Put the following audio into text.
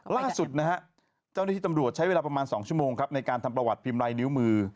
ล่าสุดนะฮะเจ้าหน้าที่ตำรวจใช้เวลาประมาณ๒ชั่วโมงครับในการทำประวัติพิมพ์ลายนิ้วมือ